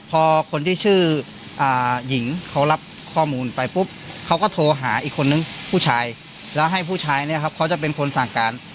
พอคนที่ชื่อหญิงเขารับข้อมูลไปปุ๊บเขาก็โทรหาอีกคนนึงผู้ชายแล้วให้ผู้ชายเนี่ยครับเขาจะเป็นคนสั่งการ